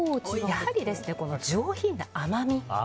やはり上品な甘み。